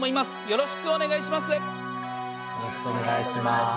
よろしくお願いします。